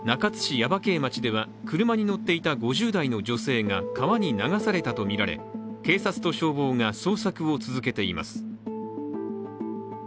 耶馬溪町では車に乗っていた５０代の女性が川に流されたとみられ警察と消防が捜索を続けています。